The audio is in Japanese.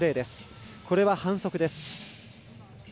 これは反則です。